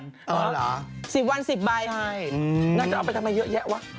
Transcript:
นางจะเอาไปทำให้เยอะแยะวะ